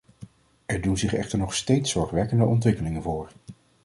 Er doen zich echter nog steeds zorgwekkende ontwikkelingen voor.